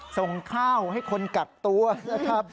ส่งข้าวให้คนกักตัวนะครับ